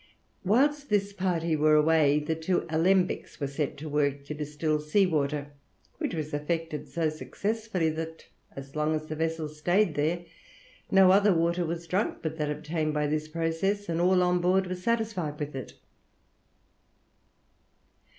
Whilst this party were away, the two alembics were set to work to distil sea water, which was effected so successfully that as long as the vessel stayed there, no other water was drunk but that obtained by this process, and all on board were satisfied with it.